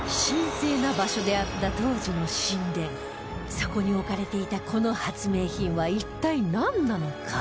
そこに置かれていたこの発明品は一体、なんなのか？